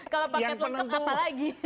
kalau paket lengkap apa lagi